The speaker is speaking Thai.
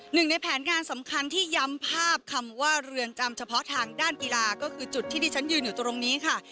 หนึ่งในแผนงานสำคัญที่ย้ำภาพคำว่าเรือนจำเฉพาะทางด้านกีฬาก็คือจุดที่ที่ฉันยืนอยู่ตรงนี้ค่ะ